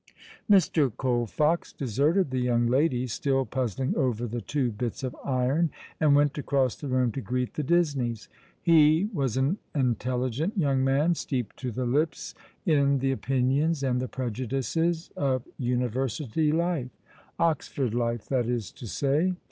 Mr. Colfox deserted the young ladies, still puzzling over the two bits of iron, and went across the room to greet the Disneys. He was an intelligent young man, steeped to the lips in the opinions and the prejudices of university life — Oxford life, that is to say.